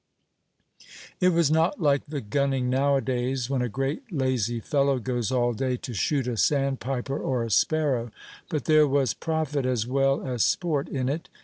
It was not like the gunning nowadays, when a great lazy fellow goes all day to shoot a sandpiper or a sparrow; but there was profit as well as sport in it.